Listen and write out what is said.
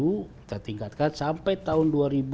kita tingkatkan sampai tahun dua ribu dua puluh